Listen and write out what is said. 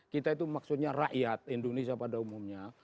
kita itu maksudnya rakyat indonesia pada umumnya